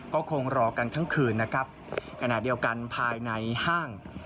ก็คงรอกันทั้งคืนนะครับขณะเดียวกันภายในห้าง